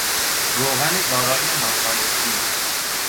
روغن دارای ناخالصی